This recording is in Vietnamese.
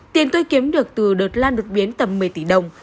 tiền tôi kiếm được từ đợt lan đột biến tầm một mươi tỷ đồng